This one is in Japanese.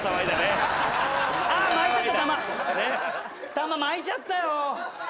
球巻いちゃったよ。